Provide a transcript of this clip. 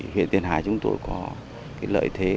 huyện tiền hải chúng tôi có lợi thế